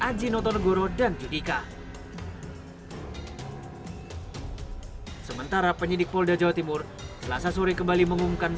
aji notonegoro dan judika sementara penyidik polda jawa timur selasa sore kembali mengumumkan